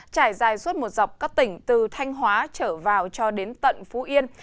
trải dài suốt một dọc các tỉnh từ thanh hóa trở vào cho đến tận phú yên